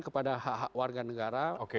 kepada hak hak warga negara